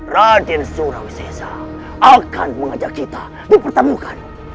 raden surawi sesa akan mengajak kita dipertemukan